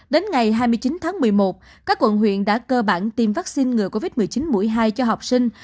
đến ngày hai mươi chín tháng một mươi một các quận huyện đã cơ bản tiêm vaccine ngừa covid một mươi chín mũi hai cho học sinh